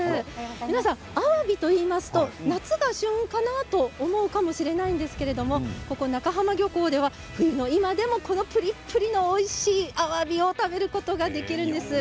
皆さん、あわびといいますと夏が旬かなと思うかもしれないんですけれどもここ、中浜漁港では冬の今でもプリプリのおいしいあわびを食べることができるんです。